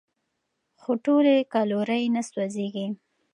خو ټولې کالورۍ نه سوځېږي.